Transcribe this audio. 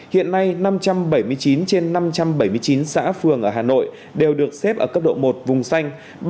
hiện nay năm trăm bảy mươi chín trên năm trăm bảy mươi chín xã phường ở hà nội đều được xếp ở cấp độ một vùng xanh